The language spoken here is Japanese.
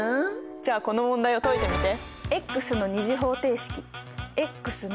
じゃあこの問題を解いてみて。